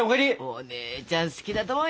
お姉ちゃん好きだと思うよ。